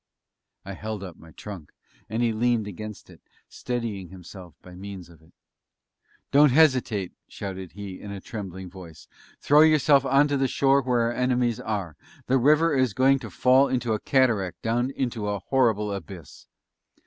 I held up my trunk, and he leaned against it, steadying himself by means of it. "Don't hesitate," shouted he in a trembling voice. "Throw yourself onto the shore where our enemies are the river is going to fall in a cataract down into a horrible abyss!"